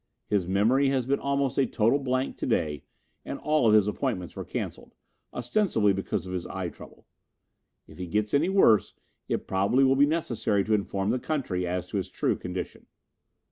His memory has been almost a total blank today and all of his appointments were cancelled, ostensibly because of his eye trouble. If he gets any worse, it probably will be necessary to inform the country as to his true condition."